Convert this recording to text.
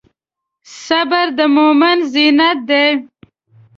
صبر د مؤمن زینت دی.